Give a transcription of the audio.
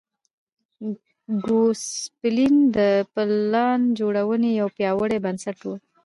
ګوسپلن د پلان جوړونې یو پیاوړی بنسټ و.